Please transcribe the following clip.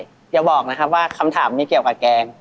อย่าบอกนะครับว่าคำถามนี้เกี่ยวกับแกง